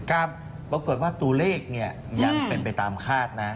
กล้าบปรากฏว่าตัวเลขยังเป็นไปตามคาดนะ